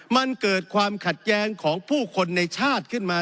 มันเกิดความขัดแย้งของผู้คนในชาติขึ้นมา